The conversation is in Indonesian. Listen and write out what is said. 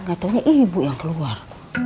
nggak taunya ibu yang keluar